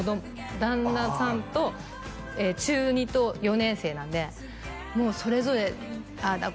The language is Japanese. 旦那さんと中２と４年生なんでもうそれぞれああだ